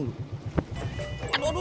aduh aduh aduh